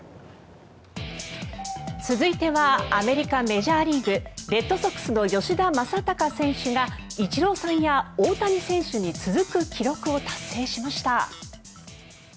続いてはアメリカ・メジャーリーグレッドソックスの吉田正尚選手がイチローさんや大谷選手に続く記録を達成しました。